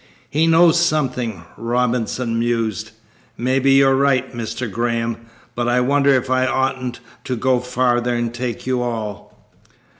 "He knows something," Robinson mused. "Maybe you're right, Mr. Graham, but I wonder if I oughtn't to go farther and take you all."